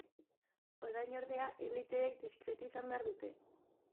Orain, ordea, eliteek diskretu izan behar dute.